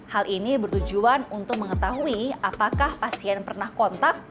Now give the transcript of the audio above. hal ini bertujuan untuk mengetahui apakah pasien pernah kontak